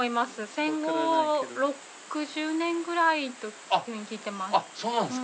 戦後６０年くらいと聞いてます。